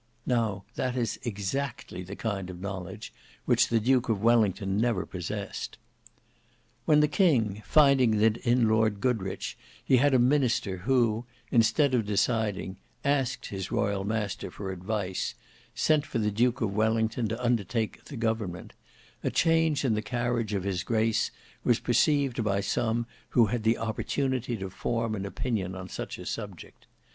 Now that is exactly the kind of knowledge which the Duke of Wellington never possessed. When the king, finding that in Lord Goderich he had a minister who, instead of deciding, asked his royal master for advice, sent for the Duke of Wellington to undertake the government, a change in the carriage of his grace was perceived by some who had the opportunity to form an opinion on such a subject.